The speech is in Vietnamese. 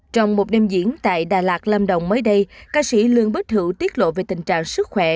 trong một đêm diễn tại đà lạt lâm đồng mới đây ca sĩ lương bích hữu tiết lộ về tình trạng sức khỏe